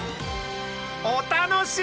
お楽しみに！